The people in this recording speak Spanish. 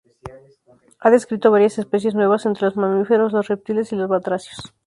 Ha descrito varias especies nuevas entre los mamíferos, los reptiles y los batracios.